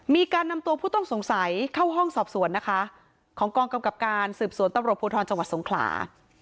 มีการนำตัวผู้ต้องสงสัยเข้าห้องสอบสวนนะคะของกองกำกับการสืบสวนตำรวจภูทรจังหวัดสงขลา